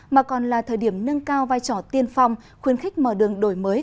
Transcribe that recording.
mà còn là thời điểm nâng cao vai trò tiên phong khuyến khích mở đường đổi mới